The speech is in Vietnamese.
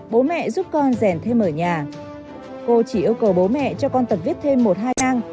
bố mẹ giúp con rèn thêm ở nhà cô chỉ yêu cầu bố mẹ cho con tập viết thêm một hai năng